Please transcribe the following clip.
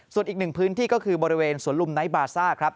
ส่วนอีกหนึ่งพื้นที่ก็คือบริเวณสวนลุมไนท์บาซ่าครับ